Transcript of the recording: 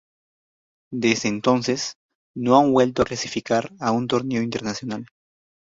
Desde entonces no han vuelto a clasificar a un torneo internacional.